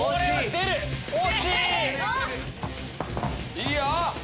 いいよ！